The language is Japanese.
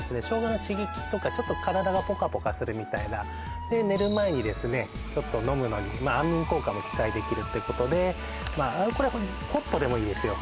生姜の刺激とかちょっと体がポカポカするみたいなで寝る前にですねちょっと飲むのにまあ安眠効果も期待できるってことでまあこれはホットでもいいですよ